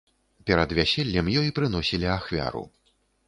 Перад вяселлем ёй прыносілі ахвяру.